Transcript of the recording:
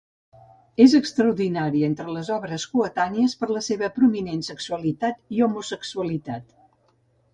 És extraordinària entre les obres coetànies per la seva prominent sexualitat i homosexualitat.